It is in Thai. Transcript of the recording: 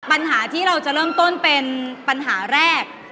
ปัญหาที่เราจะเริ่มต้นเป็นปัญหาแรก